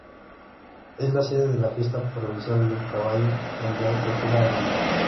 Es sede de la Fiesta Provincial del Caballo, donde hay tortura animal.